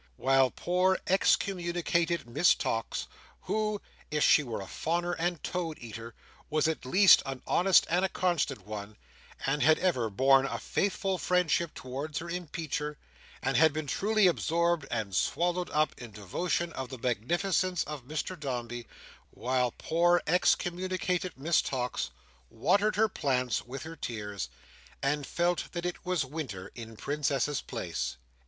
While poor excommunicated Miss Tox, who, if she were a fawner and toad eater, was at least an honest and a constant one, and had ever borne a faithful friendship towards her impeacher and had been truly absorbed and swallowed up in devotion to the magnificence of Mr Dombey—while poor excommunicated Miss Tox watered her plants with her tears, and felt that it was winter in Princess's Place.